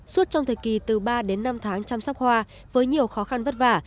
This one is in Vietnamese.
suốt trong thời kỳ từ ba đến năm tháng chăm sóc hoa với nhiều khó khăn vất vả